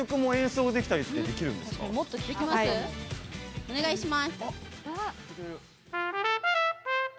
お願いします。